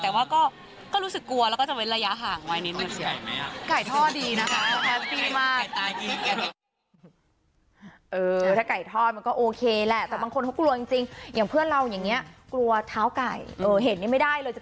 แต่ว่าก็รู้สึกกลัวแล้วก็จะมีระยะห่างไม่นี้มันเชอะ